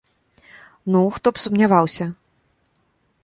Ну, хто б сумняваўся.